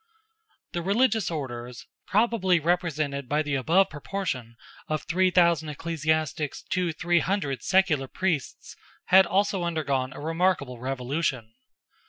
The religious orders, probably represented by the above proportion of three thousand ecclesiastics to three hundred [secular] priests had also undergone a remarkable revolution.